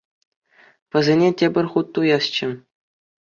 Вӗсене тепӗр хут туясчӗ.